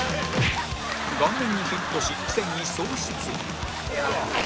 顔面にヒットし戦意喪失